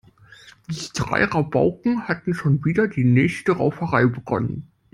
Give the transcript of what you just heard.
Die drei Rabauken hatten schon wieder die nächste Rauferei begonnen.